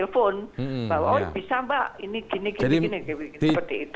bu risma yang hitimodip